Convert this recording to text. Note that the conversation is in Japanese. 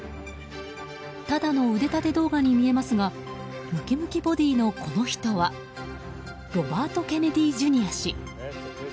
ただの腕立て動画に見えますがムキムキボディーのこの人はロバート・ケネディ・ジュニア氏。